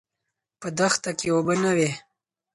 په دښته کې اوبه نه وې.